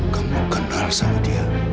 kamu kenal sama dia